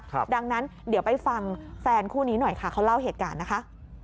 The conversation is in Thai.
ดังนั้นเดี๋ยวไปฟังแฟนคู่นี้หน่อยค่ะเขาเล่าเหตุการณ์นะคะ